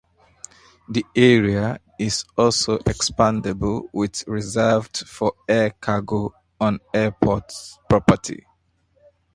The area is also expandable with reserved for air cargo on airport property.